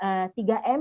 kemudian juga m